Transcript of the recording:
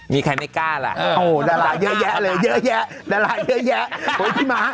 มีใครไม่กล้าล่ะโอ้โหดาราเยอะแยะเลยเยอะแยะดาราเยอะแยะโอ้ยพี่ม้า